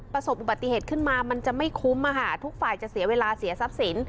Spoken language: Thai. ประสบบุติเกิดขึ้นมั้ยมันจะไม่คุ้มค่ะทุกฝ่ายจะเสียเวลาเสียทรัพย์ศีล